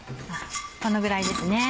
このぐらいですね